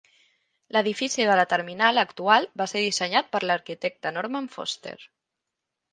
L'edifici de la terminal actual va ser dissenyat per l'arquitecte Norman Foster.